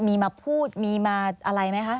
มีมาพูดมีมาอะไรไหมคะ